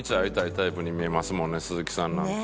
鈴木さんなんて。